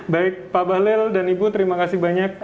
baik pak bahlil dan ibu terima kasih banyak